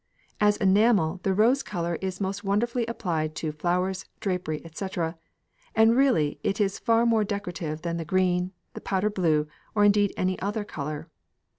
As enamel, the rose colour is most wonderfully applied to flowers, drapery, &c., and really it is far more decorative than the green, the powder blue, or indeed any other colour.